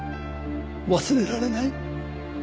忘れられない。